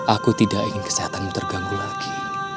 aku tidak ingin kesehatanmu terganggu lagi